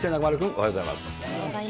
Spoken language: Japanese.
おはようございます。